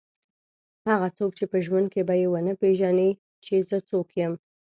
هغه څوک چې په ژوند کې به یې ونه پېژني چې زه څوک یم.